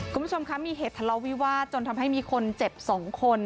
คุณผู้ชมคะมีเหตุทะเลาวิวาสจนทำให้มีคนเจ็บ๒คน